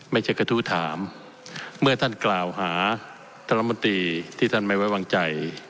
ไม่ใช่กระทู้ถามเมื่อท่านกล่าวหาท่านรัฐมนตรีที่ท่านไม่ไว้วางใจ